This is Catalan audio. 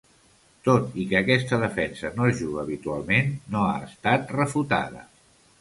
Tot i que aquesta defensa no es juga habitualment, no ha estat refutada.